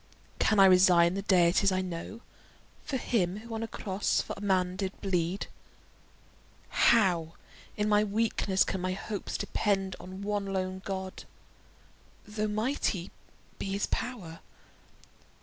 Can I resign the deities I know For him who on a cross for man did bleed? How in my weakness can my hopes depend On one lone God, though mighty be his pow'r?